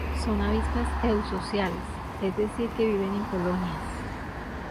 Son avispas eusociales, es decir que viven en colonias.